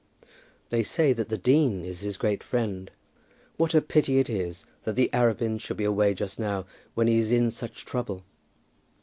"They say that the dean is his great friend." "What a pity it is that the Arabins should be away just now when he is in such trouble."